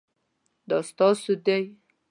دا ستاسو دی؟